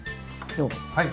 はい。